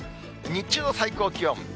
日中の最高気温。